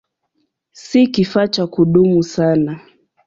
Si kifaa cha kudumu sana.